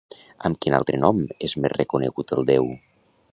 Amb quin altre nom és més reconegut el déu?